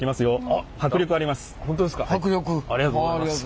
ありがとうございます。